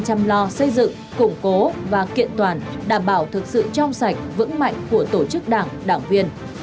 chăm lo xây dựng củng cố và kiện toàn đảm bảo thực sự trong sạch vững mạnh của tổ chức đảng đảng viên